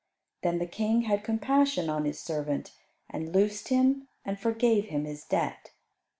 Then the King had compassion on his servant, and loosed him, and forgave him his debt.